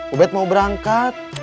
ubed mau berangkat